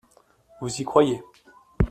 Vous y croyez.